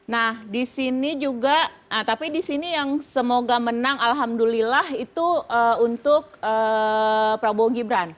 nah di sini juga tapi di sini yang semoga menang alhamdulillah itu untuk prabowo gibran